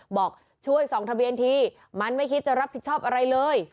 บอกช่วยส่องทะเบียนทีมันไม่คิดจะรับผิดชอบอะไรเลย